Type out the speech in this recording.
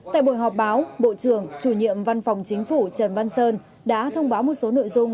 tại buổi họp báo bộ trưởng chủ nhiệm văn phòng chính phủ trần văn sơn đã thông báo một số nội dung